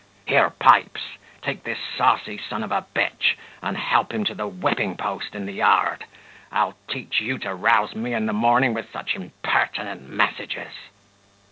Here, Pipes, take this saucy son of a b and help him to the whipping post in the yard. I'll teach you to rouse me in the morning with such impertinent messages."